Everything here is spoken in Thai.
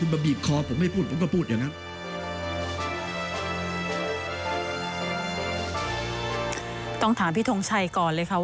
คุณมาบีบคอคุณไม่ได้พูดผมก็พูดอย่างนั้น